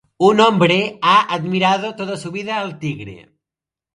Un hombre ha admirado toda su vida al tigre.